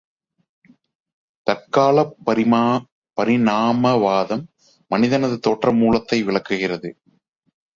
தற்காலப் பரிணாமவாதம் மனிதனது தோற்ற மூலத்தை விளக்குகிறது.